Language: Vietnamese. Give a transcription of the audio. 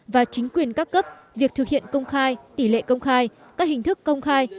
và chính quyền các cấp việc thực hiện công khai tỷ lệ công khai các hình thức công khai